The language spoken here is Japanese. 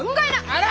あら！